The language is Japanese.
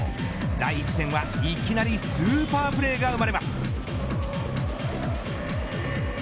第１戦から、いきなりスーパープレーが生まれます。